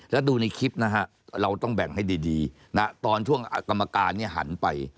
แล้วดูในคลิปนะฮะเราต้องแบ่งให้ดีนะตอนช่วงกรรมการหันไป